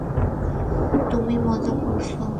তুমি মজা করছ?